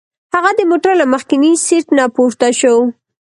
هغه د موټر له مخکیني سیټ نه پورته شو.